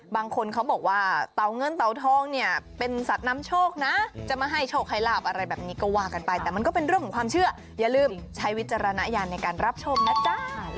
บางคนเขาบอกว่าเต่าเงินเตาทองเนี่ยเป็นสัตว์นำโชคนะจะมาให้โชคให้ลาบอะไรแบบนี้ก็ว่ากันไปแต่มันก็เป็นเรื่องของความเชื่ออย่าลืมใช้วิจารณญาณในการรับชมนะจ๊ะ